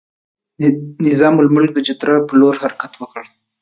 نظام الملک د چترال پر لور حرکت وکړ.